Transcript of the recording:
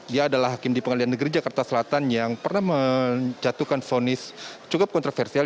dia adalah hakim di pengadilan negeri jakarta selatan yang pernah menjatuhkan fonis cukup kontroversial